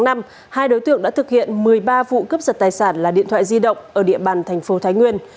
hai đối tượng đã thực hiện một mươi ba vụ cướp giật tài sản là điện thoại di động ở địa bàn thành phố thái nguyên